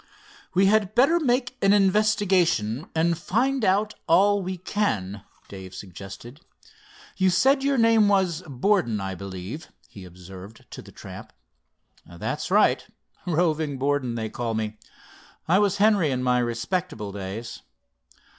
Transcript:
"We had better make an investigation, and find out all we can," Dave suggested. "You said your name was Borden, I believe?" he observed to the tramp. "That's it—Roving Borden, they call me. I was Henry, in my respectable days."